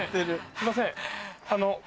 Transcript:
すいません。